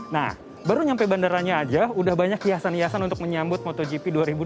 nah baru nyampe bandaranya aja udah banyak hiasan hiasan untuk menyambut motogp dua ribu dua puluh